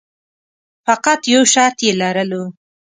فقط یو شرط یې لرلو.